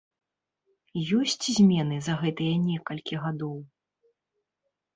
Ёсць змены за гэтыя некалькі гадоў?